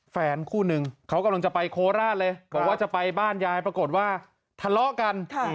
แฟนคู่นึงเขากำลังจะไปโคราชเลยบอกว่าจะไปบ้านยายปรากฏว่าทะเลาะกัน